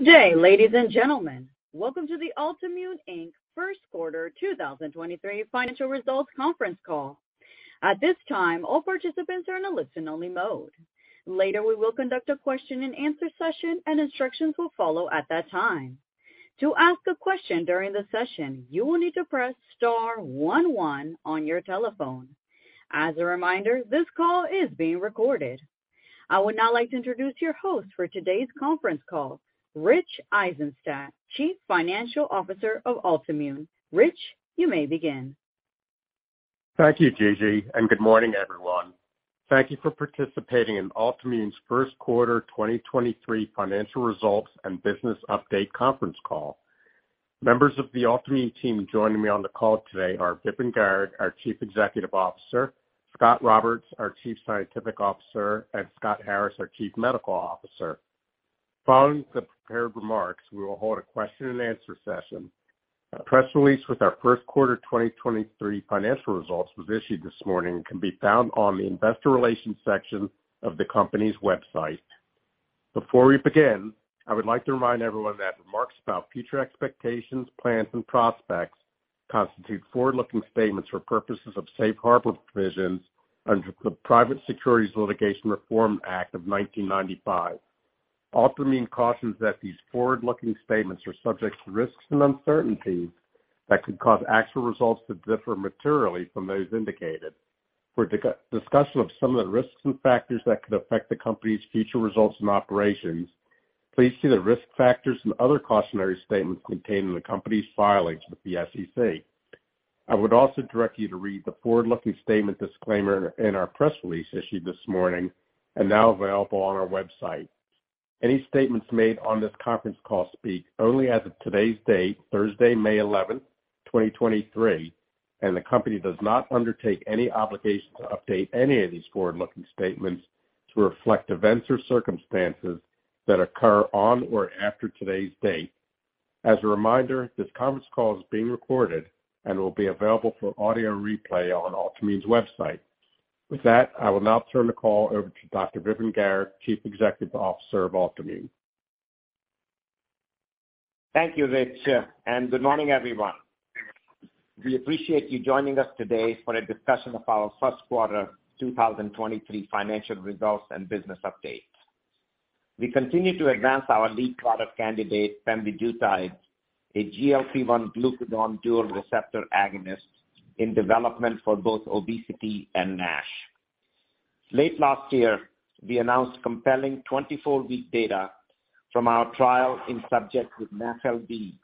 Good day, ladies and gentlemen. Welcome to the Altimmune Inc. First Quarter 2023 financial results conference call. At this time, all participants are in a listen-only mode. Later, we will conduct a question-and-answer session, and instructions will follow at that time. To ask a question during the session, you will need to press star one one on your telephone. As a reminder, this call is being recorded. I would now like to introduce your host for today's conference call, Rich Eisenstadt, Chief Financial Officer of Altimmune. Rich, you may begin. Thank you, Gigi. Good morning, everyone. Thank you for participating in Altimmune's first quarter 2023 financial results and business update conference call. Members of the Altimmune team joining me on the call today are Vipin Garg, our Chief Executive Officer; Scot Roberts, our Chief Scientific Officer; and Scott Harris, our Chief Medical Officer. Following the prepared remarks, we will hold a question-and-answer session. A press release with our first quarter 2023 financial results was issued this morning and can be found on the investor relations section of the company's website. Before we begin, I would like to remind everyone that remarks about future expectations, plans, and prospects constitute forward-looking statements for purposes of safe harbor provisions under the Private Securities Litigation Reform Act of 1995. Altimmune cautions that these forward-looking statements are subject to risks and uncertainties that could cause actual results to differ materially from those indicated. For discussion of some of the risks and factors that could affect the company's future results and operations, please see the risk factors and other cautionary statements contained in the company's filings with the SEC. I would also direct you to read the forward-looking statement disclaimer in our press release issued this morning and now available on our website. Any statements made on this conference call speak only as of today's date, Thursday, May 11th, 2023. The company does not undertake any obligation to update any of these forward-looking statements to reflect events or circumstances that occur on or after today's date. As a reminder, this conference call is being recorded and will be available for audio replay on Altimmune's website. With that, I will now turn the call over to Dr. Vipin Garg, Chief Executive Officer of Altimmune. Thank you, Rich. Good morning, everyone. We appreciate you joining us today for a discussion of our first quarter 2023 financial results and business updates. We continue to advance our lead product candidate, pemvidutide, a GLP-1/glucagon dual receptor agonist in development for both obesity and NASH. Late last year, we announced compelling 24-week data from our trial in subjects with NAFLD,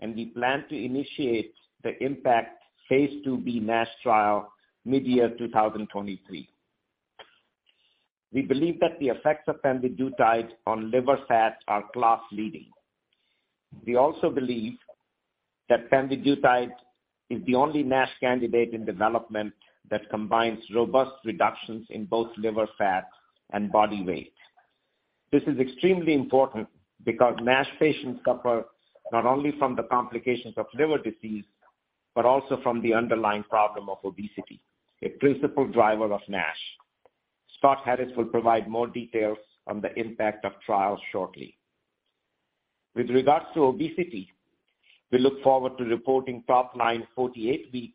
and we plan to initiate the IMPACT phase II-B NASH trial midyear 2023. We believe that the effects of pemvidutide on liver fat are class-leading. We also believe that pemvidutide is the only NASH candidate in development that combines robust reductions in both liver fat and body weight. This is extremely important because NASH patients suffer not only from the complications of liver disease, but also from the underlying problem of obesity, a principal driver of NASH. Scott Harris will provide more details on the IMPACT of trials shortly. With regards to obesity, we look forward to reporting top-line 48-week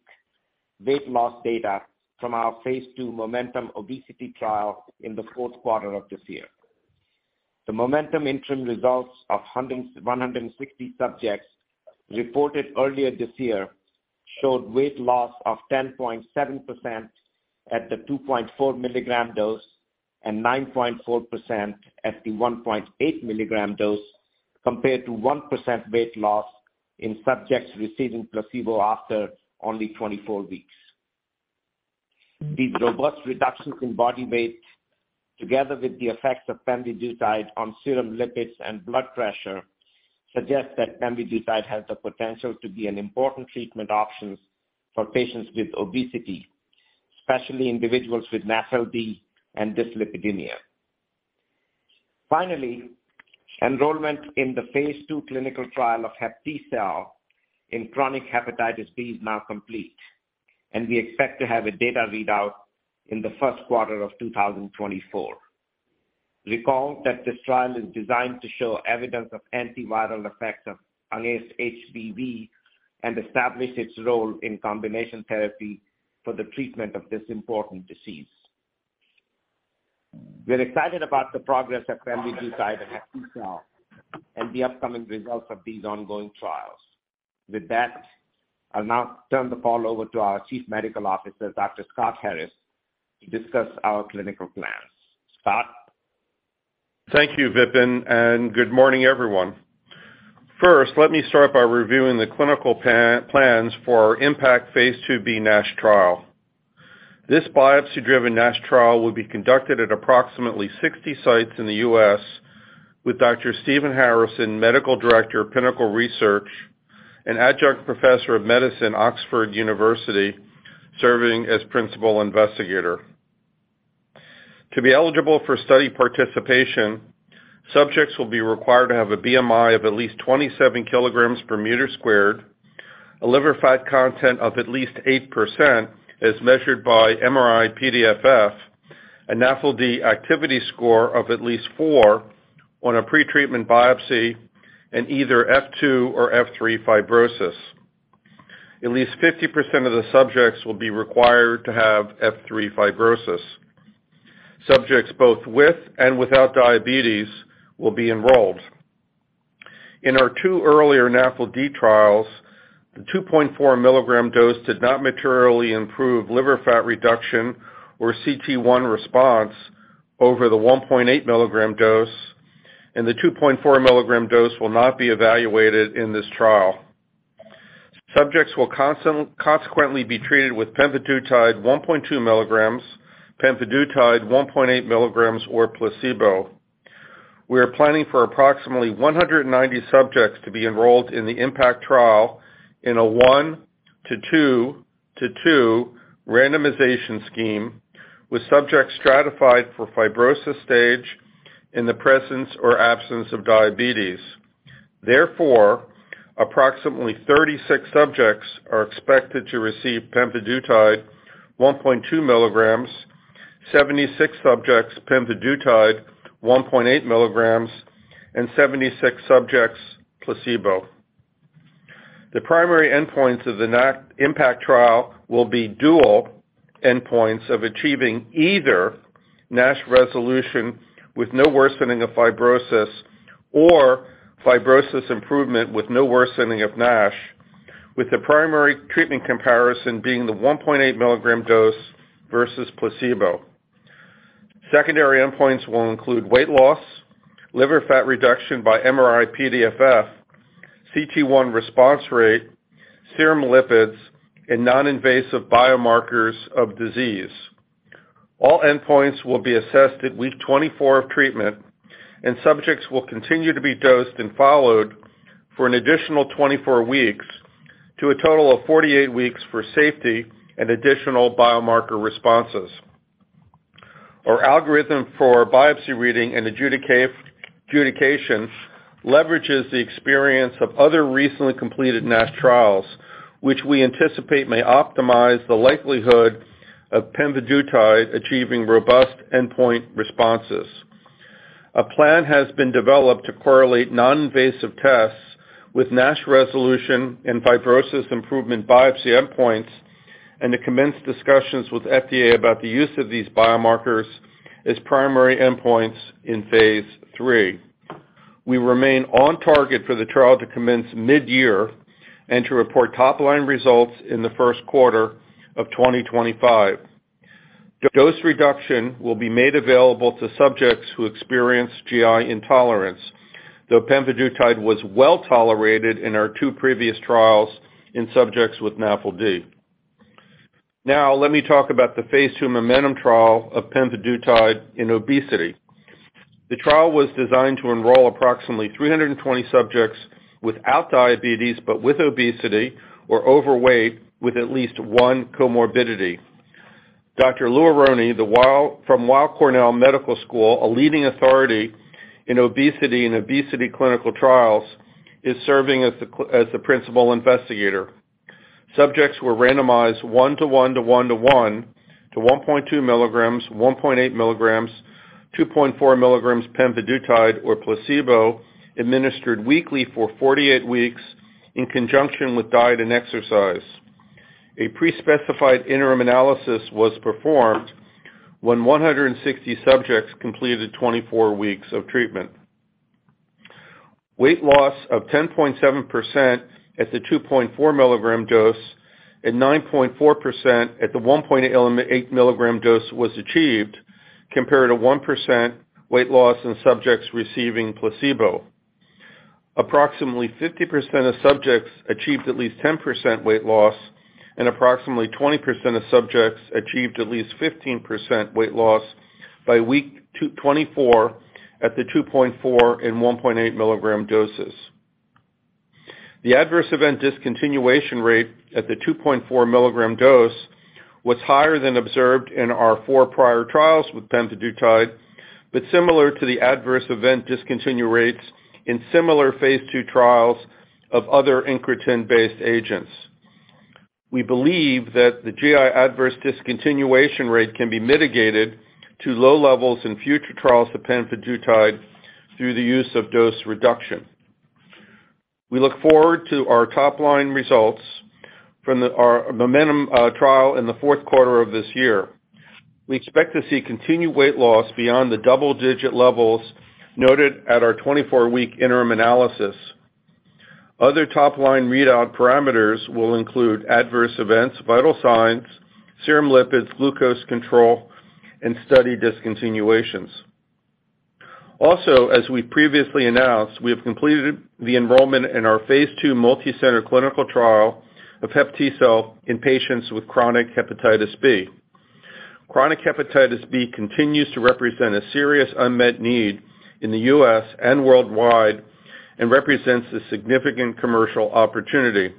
weight loss data from our phase II MOMENTUM Obesity trial in the fourth quarter of this year. The MOMENTUM interim results of 160 subjects reported earlier this year showed weight loss of 10.7% at the 2.4 mg dose and 9.4% at the 1.8 mg dose, compared to 1% weight loss in subjects receiving placebo after only 24 weeks. These robust reductions in body weight, together with the effects of pemvidutide on serum lipids and blood pressure, suggest that pemvidutide has the potential to be an important treatment option for patients with obesity, especially individuals with NAFLD and dyslipidemia. Enrollment in the phase II clinical trial of HepTcell in chronic hepatitis B is now complete. We expect to have a data readout in the first quarter of 2024. Recall that this trial is designed to show evidence of antiviral effects against HBV and establish its role in combination therapy for the treatment of this important disease. We're excited about the progress of pemvidutide and HepTcell and the upcoming results of these ongoing trials. With that, I'll now turn the call over to our Chief Medical Officer, Dr. Scott Harris, to discuss our clinical plans. Scott? Thank you, Vipin. Good morning, everyone. First, let me start by reviewing the clinical plans for our IMPACT phase II-B NASH trial. This biopsy-driven NASH trial will be conducted at approximately 60 sites in the U.S. with Dr. Stephen Harrison, Medical Director of Pinnacle Research and Adjunct Professor of Medicine, University of Oxford, serving as principal investigator. To be eligible for study participation, subjects will be required to have a BMI of at least 27 kg per meter squared. A liver fat content of at least 8% as measured by MRI-PDFF, a NAFLD activity score of at least four on a pretreatment biopsy, and either F2 or F3 fibrosis. At least 50% of the subjects will be required to have F3 fibrosis. Subjects both with and without diabetes will be enrolled. In our two earlier NAFLD trials, the 2.4 mg dose did not materially improve liver fat reduction or cT1 response over the 1.8 mg dose. The 2.4 mg dose will not be evaluated in this trial. Subjects will consequently be treated with pemvidutide 1.2 mg, pemvidutide 1.8 mg, or placebo. We are planning for approximately 190 subjects to be enrolled in the IMPACT trial in a 1:2:2 randomization scheme, with subjects stratified for fibrosis stage in the presence or absence of diabetes. Therefore, approximately 36 subjects are expected to receive pemvidutide 1.2 mg, 76 subjects pemvidutide 1.8 mg, and 76 subjects placebo. The primary endpoints of the NASH IMPACT trial will be dual endpoints of achieving either NASH resolution with no worsening of fibrosis or fibrosis improvement with no worsening of NASH, with the primary treatment comparison being the 1.8 mg dose versus placebo. Secondary endpoints will include weight loss, liver fat reduction by MRI-PDFF, cT1 response rate, serum lipids, and non-invasive biomarkers of disease. All endpoints will be assessed at week 24 of treatment. Subjects will continue to be dosed and followed for an additional 24 weeks to a total of 48 weeks for safety and additional biomarker responses. Our algorithm for biopsy reading and adjudications leverages the experience of other recently completed NASH trials, which we anticipate may optimize the likelihood of pemvidutide achieving robust endpoint responses. A plan has been developed to correlate non-invasive tests with NASH resolution and fibrosis improvement biopsy endpoints and to commence discussions with FDA about the use of these biomarkers as primary endpoints in phase III. We remain on target for the trial to commence mid-year and to report top-line results in the first quarter of 2025. Dose reduction will be made available to subjects who experience GI intolerance, though pemvidutide was well tolerated in our two previous trials in subjects with NAFLD. Now let me talk about the phase II MOMENTUM trial of pemvidutide in obesity. The trial was designed to enroll approximately 320 subjects without diabetes but with obesity or overweight with at least one comorbidity. Dr. Louis Aronne, from Weill Cornell Medical School, a leading authority in obesity and obesity clinical trials, is serving as the principal investigator. Subjects were randomized 1:1:1:1 to 1.2 mg, 1.8 mg, 2.4 mg pemvidutide or placebo, administered weekly for 48 weeks in conjunction with diet and exercise. A pre-specified interim analysis was performed when 160 subjects completed 24 weeks of treatment. Weight loss of 10.7% at the 2.4 mg dose and 9.4% at the 1.8 mg dose was achieved, compared to 1% weight loss in subjects receiving placebo. Approximately 50% of subjects achieved at least 10% weight loss, and approximately 20% of subjects achieved at least 15% weight loss by week 24 at the 2.4 mg and 1.8 mg doses. The adverse event discontinuation rate at the 2.4 mg dose was higher than observed in our four prior trials with pemvidutide, but similar to the adverse event discontinue rates in similar phase II trials of other incretin-based agents. We believe that the GI adverse discontinuation rate can be mitigated to low levels in future trials of pemvidutide through the use of dose reduction. We look forward to our top-line results from our MOMENTUM trial in the fourth quarter of this year. We expect to see continued weight loss beyond the double-digit levels noted at our 24-week interim analysis. Other top-line readout parameters will include adverse events, vital signs, serum lipids, glucose control, and study discontinuations. Also, as we previously announced, we have completed the enrollment in our phase II multicenter clinical trial of HepTcell in patients with chronic hepatitis B. Chronic hepatitis B continues to represent a serious unmet need in the U.S. and worldwide and represents a significant commercial opportunity.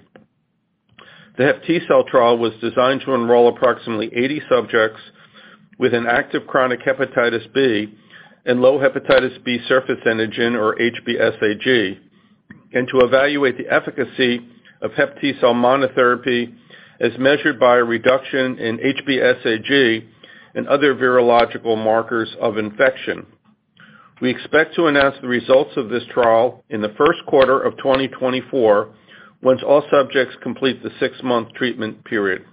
The HepTcell trial was designed to enroll approximately 80 subjects with an active chronic hepatitis B and low hepatitis B surface antigen or HBsAg, and to evaluate the efficacy of HepTcell monotherapy as measured by a reduction in HBsAg and other virological markers of infection. We expect to announce the results of this trial in the first quarter of 2024, once all subjects complete the six-month treatment period.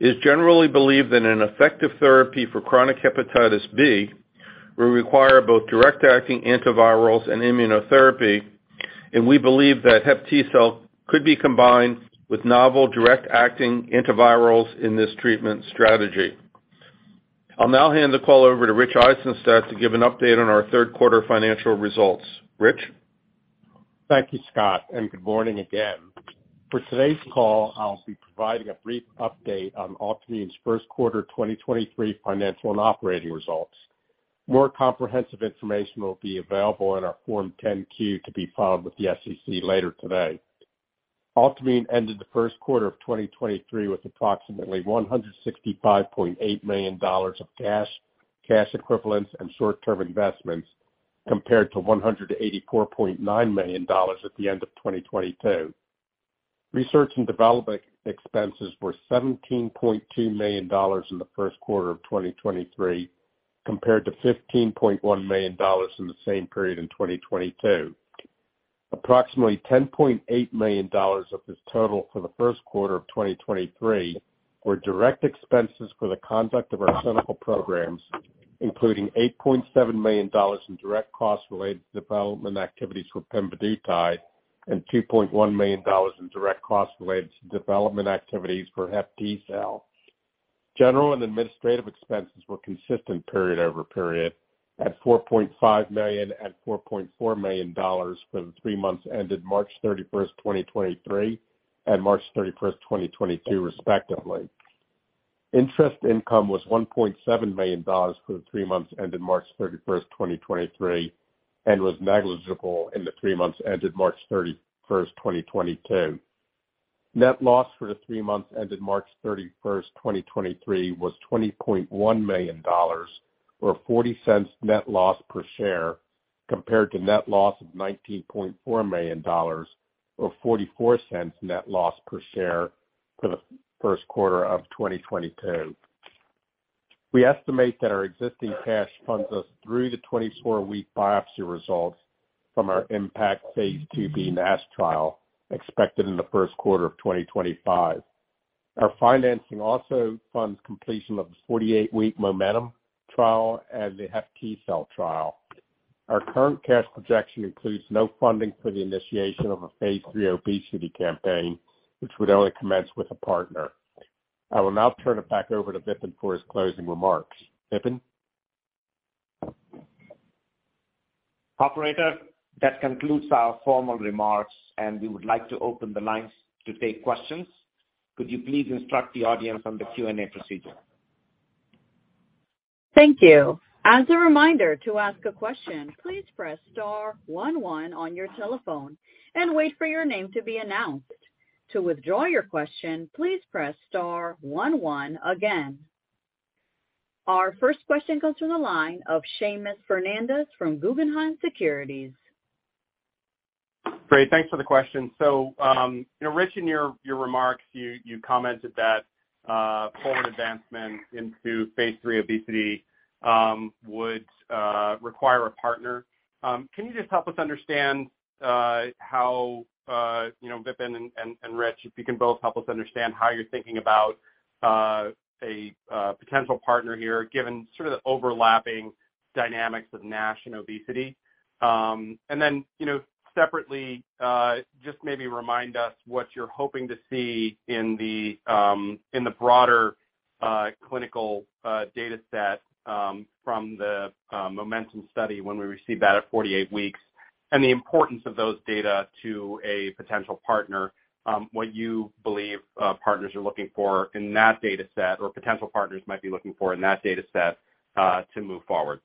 It is generally believed that an effective therapy for chronic hepatitis B will require both direct-acting antivirals and immunotherapy. We believe that HepTcell could be combined with novel direct-acting antivirals in this treatment strategy. I'll now hand the call over to Rich Eisenstadt to give an update on our third-quarter financial results. Rich? Thank you, Scott, and good morning again. For today's call, I'll be providing a brief update on Altimmune's first-quarter 2023 financial and operating results. More comprehensive information will be available in our Form 10-Q to be filed with the SEC later today. Altimmune ended the first quarter of 2023 with approximately $165.8 million of cash equivalents and short-term investments, compared to $184.9 million at the end of 2022. Research and development expenses were $17.2 million in the first quarter of 2023, compared to $15.1 million in the same period in 2022. Approximately $10.8 million of this total for the first quarter of 2023 were direct expenses for the conduct of our clinical programs, including $8.7 million in direct costs related to development activities for pemvidutide and $2.1 million in direct costs related to development activities for HepTcell. General and administrative expenses were consistent period-over-period at $4.5 million and $4.4 million for the three months ended March 31st, 2023 and March 31st, 2022 respectively. Interest income was $1.7 million for the three months ended March 31st, 2023, and was negligible in the three months ended March 31st, 2022. Net loss for the three months ended March 31st, 2023, was $20.1 million or $0.40 net loss per share, compared to net loss of $19.4 million or $0.44 net loss per share for the first quarter of 2022. We estimate that our existing cash funds us through the 24-week biopsy results from our IMPACT phase II-B NASH trial expected in the first quarter of 2025. Our financing also funds completion of the 48-week MOMENTUM trial and the HepTcell trial. Our current cash projection includes no funding for the initiation of a phase III obesity campaign, which would only commence with a partner. I will now turn it back over to Vipin for his closing remarks. Vipin? Operator, that concludes our formal remarks. We would like to open the lines to take questions. Could you please instruct the audience on the Q&A procedure? Thank you. As a reminder, to ask a question, please press star one one on your telephone and wait for your name to be announced. To withdraw your question, please press star one one again. Our first question comes from the line of Seamus Fernandez from Guggenheim Securities. Great. Thanks for the question. Rich, in your remarks, you commented that forward advancement into phase III obesity would require a partner. Can you just help us understand how, you know, Vipin and Rich, if you can both help us understand how you're thinking about a potential partner here, given sort of the overlapping dynamics of NASH and obesity. You know, separately, just maybe remind us what you're hoping to see in the broader clinical data set from the MOMENTUM study when we receive that at 48 weeks, and the importance of those data to a potential partner, what you believe partners are looking for in that data set or potential partners might be looking for in that data set to move forward.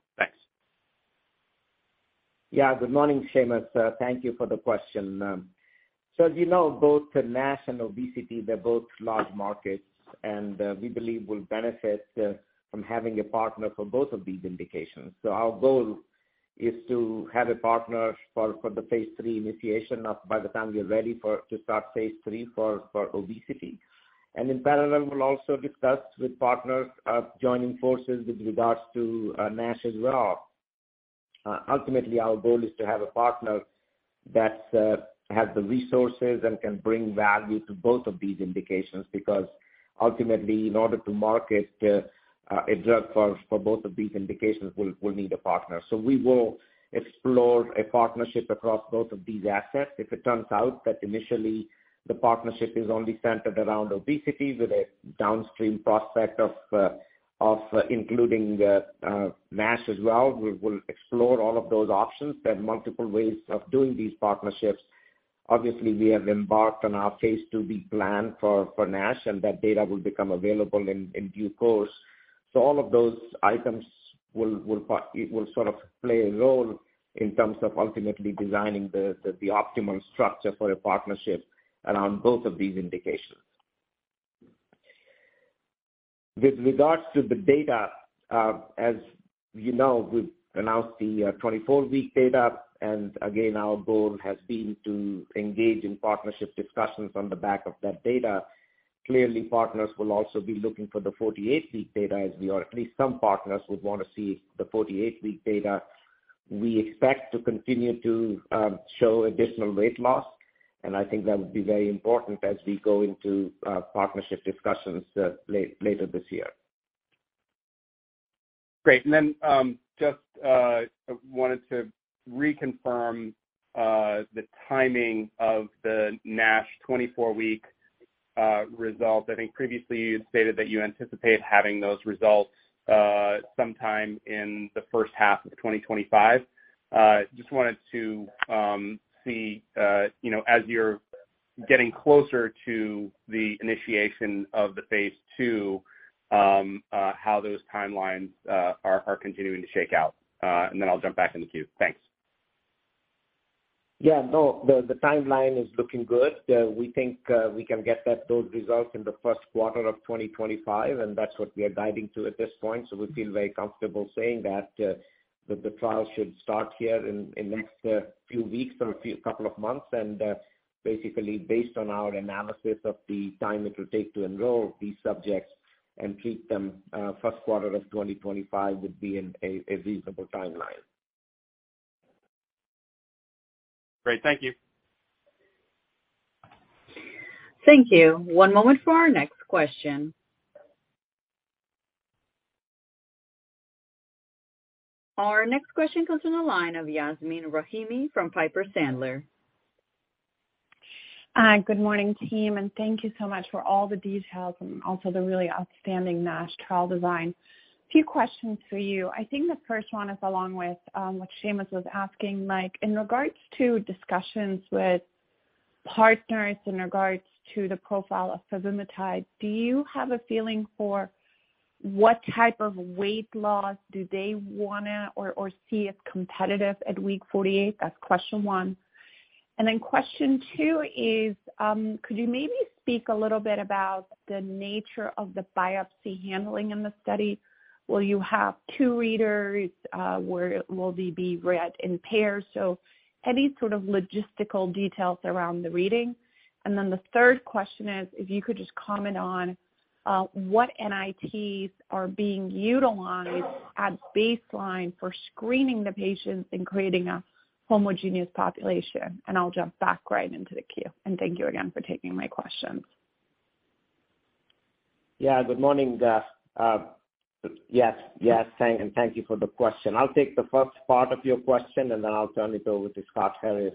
Thanks. Good morning, Seamus. Thank you for the question. As you know, both NASH and obesity, they're both large markets and we believe will benefit from having a partner for both of these indications. Our goal is to have a partner for the phase III initiation by the time we are ready to start phase III for obesity. In parallel, we'll also discuss with partners of joining forces with regards to NASH as well. Ultimately, our goal is to have a partner that has the resources and can bring value to both of these indications, because ultimately, in order to market a drug for both of these indications, we'll need a partner. We will explore a partnership across both of these assets. If it turns out that initially the partnership is only centered around obesity with a downstream prospect of including the NASH as well, we will explore all of those options. There are multiple ways of doing these partnerships. We have embarked on our phase II-B plan for NASH, that data will become available in due course. All of those items will sort of play a role in terms of ultimately designing the optimal structure for a partnership around both of these indications. With regards to the data, as you know, we've announced the 24-week data. Again, our goal has been to engage in partnership discussions on the back of that data. Clearly, partners will also be looking for the 48-week data, as we are. At least some partners would wanna see the 48 week data. We expect to continue to show additional weight loss, I think that would be very important as we go into partnership discussions later this year. Great. Just wanted to reconfirm the timing of the NASH 24-week result. I think previously you'd stated that you anticipate having those results sometime in the first half of 2025. Just wanted to see, you know, as you're getting closer to the initiation of the phase II, how those timelines are continuing to shake out. I'll jump back in the queue. Thanks. Yeah, no, the timeline is looking good. We think we can get those results in the first quarter of 2025, and that's what we are guiding to at this point. We feel very comfortable saying that the trial should start here in next few weeks or a few couple of months. Basically based on our analysis of the time it will take to enroll these subjects and treat them, first quarter of 2025 would be in a reasonable timeline. Great. Thank you. Thank you. One moment for our next question. Our next question comes on the line of Yasmeen Rahimi from Piper Sandler. Hi, good morning, team. Thank you so much for all the details and also the really outstanding NASH trial design. Few questions for you. I think the first one is along with what Seamus was asking, Mike. In regards to discussions with partners in regards to the profile of survodutide, do you have a feeling for what type of weight loss do they wanna or see as competitive at week 48? That's question one. Question two is, could you maybe speak a little bit about the nature of the biopsy handling in the study? Will you have two readers? Will they be read in pairs? Any sort of logistical details around the reading. The third question is if you could just comment on what NITs are being utilized at baseline for screening the patients and creating a homogeneous population. I'll jump back right into the queue. Thank you again for taking my questions. Yeah, good morning, yes, and thank you for the question. I'll take the first part of your question, and then I'll turn it over to Scott Harris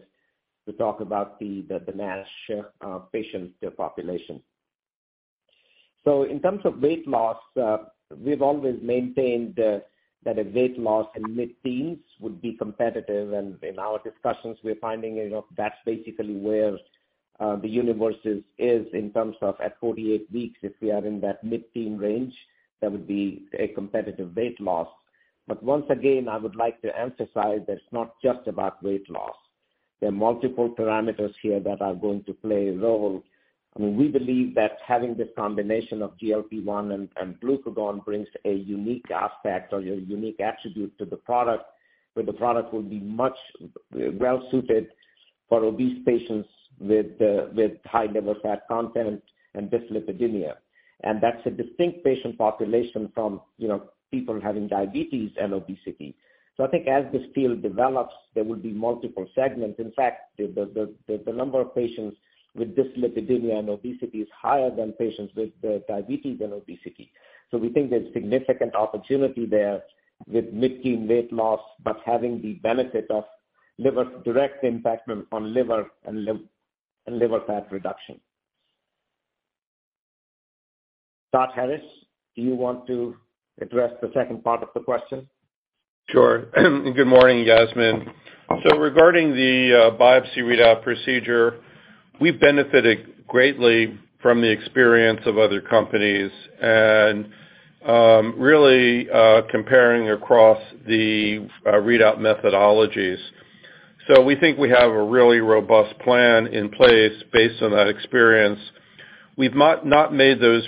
to talk about the NASH patient population. In terms of weight loss, we've always maintained that a weight loss in mid-teens would be competitive. In our discussions, we're finding, you know, that's basically where the universe is in terms of at 48 weeks, if we are in that mid-teen range, that would be a competitive weight loss. Once again, I would like to emphasize that it's not just about weight loss. There are multiple parameters here that are going to play a role. I mean, we believe that having this combination of GLP-1 and glucagon brings a unique aspect or a unique attribute to the product, where the product will be much well-suited for obese patients with high liver fat content and dyslipidemia. That's a distinct patient population from, you know, people having diabetes and obesity. I think as this field develops, there will be multiple segments. In fact, the number of patients with dyslipidemia and obesity is higher than patients with diabetes and obesity. We think there's significant opportunity there with mid-teen weight loss, but having the benefit of liver, direct impact on liver and liver fat reduction. Scott Harris, do you want to address the second part of the question? Sure. Good morning, Yasmeen. Regarding the biopsy readout procedure, we've benefited greatly from the experience of other companies and, really, comparing across the readout methodologies. We think we have a really robust plan in place based on that experience. We've not made those